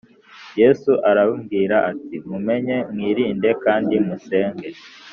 Yesu arababwira ati Mumenye mwirinde kandi musenge